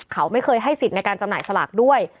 เขาไม่เคยให้สิทธิ์ในการจำหน่ายสลากด้วย